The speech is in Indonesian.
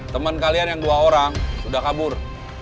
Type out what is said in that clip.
teman kalian yang dua orang sudah kabur